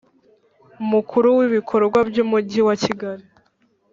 Mukuru w ibikorwa by Umujyi wa Kigali